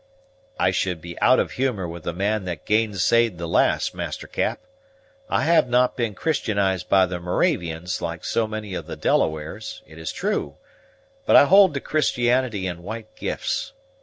"I should be out of humor with the man that gainsayed the last, Master Cap. I have not been Christianized by the Moravians, like so many of the Delawares, it is true; but I hold to Christianity and white gifts.